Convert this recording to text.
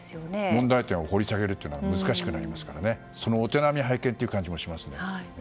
問題点を掘り下げるのは難しくなりますからお手並み拝見という感じもありますね。